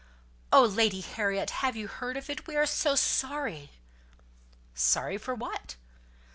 "Oh, Lady Harriet! have you heard of it? We are so sorry!" "Sorry for what?"